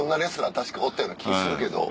確かおったような気ぃするけど。